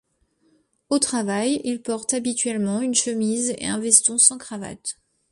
Au travail, il porte habituellement une chemise et un veston, sans cravate.